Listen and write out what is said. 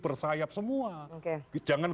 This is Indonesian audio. bersayap semua oke jangan